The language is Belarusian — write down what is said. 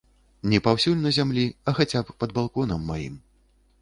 Не паўсюль на зямлі, а хаця б пад балконам маім.